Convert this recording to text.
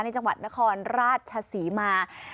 จังหวัดนครราชศรีมา